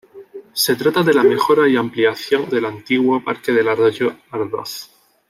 Se trata de la mejora y ampliación del antiguo parque del arroyo Ardoz.